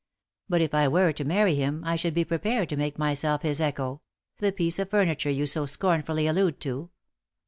But if I were to marry him I should be prepared to make myself his echo the piece of furniture you so scornfully allude to.